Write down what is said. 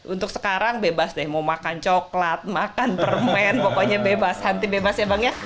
untuk sekarang bebas deh mau makan coklat makan permen pokoknya bebas hanti bebas ya bang ya